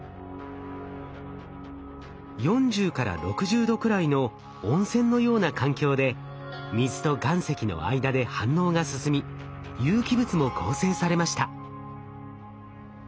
４０６０度くらいの温泉のような環境で水と岩石の間で反応が進み有機物も合成されました。